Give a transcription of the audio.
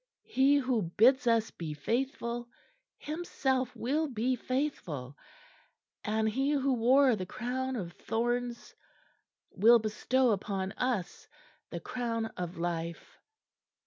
He who bids us be faithful, Himself will be faithful; and He who wore the crown of thorns will bestow upon us the crown of life."